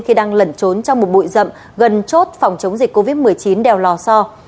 khi đang lẩn trốn trong một bụi rậm gần chốt phòng chống dịch covid một mươi chín đèo lò so